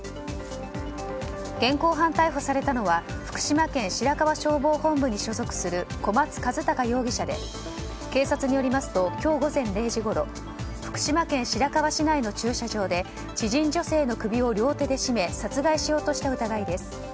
現行犯逮捕されたのは福島県白河消防本部に所属する小松一隆容疑者で警察によりますと今日午前０時ごろ福島県白河市内の駐車場で知人女性の首を絞め殺害しようとした疑いです。